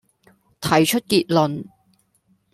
提出結論